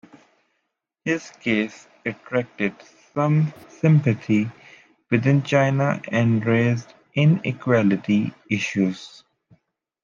His case attracted some sympathy within China and raised inequality issues.